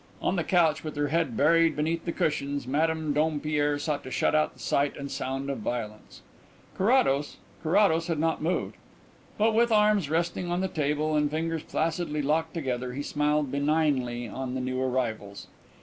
On the couch, with her head buried beneath the cushions, Madame Dompierre sought to shut out the sight and sound of violence. Carrados Carrados had not moved, but with arms resting on the table and fingers placidly locked together he smiled benignly on the new arrivals.